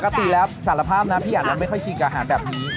ปกติแล้วสารภาพนะพี่อันนั้นไม่ค่อยชิมอาหารแบบนี้